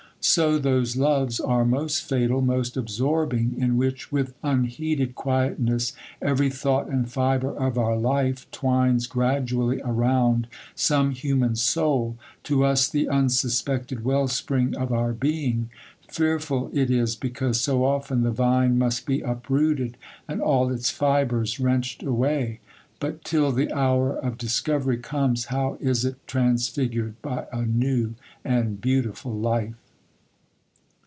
So those loves are most fatal, most absorbing, in which, with unheeded quietness, every thought and fibre of our life twines gradually around some human soul, to us the unsuspected well spring of our being. Fearful it is, because so often the vine must be uprooted, and all its fibres wrenched away; but till the hour of discovery comes, how is it transfigured by a new and beautiful life!